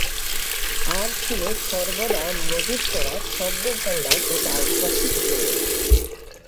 আর ছিল সর্বদা মজুত করা শব্দ-ভাণ্ডার ও তার সঠিক প্রয়োগ।